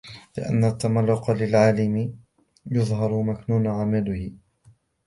لِأَنَّ التَّمَلُّقَ لِلْعَالِمِ يُظْهِرُ مَكْنُونَ عَمَلِهِ